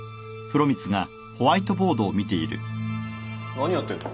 ・何やってんの？